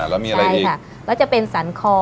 แล้วมีอะไรใช่ค่ะแล้วจะเป็นสันคอ